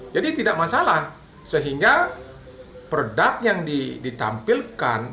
jadi tidak masalah sehingga produk yang ditampilkan